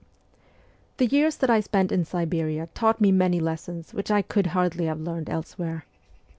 The years that I spent in Siberia taught me many lessons which I could hardly have learned elsewhere.